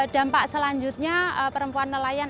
dampak selanjutnya perempuan nelayan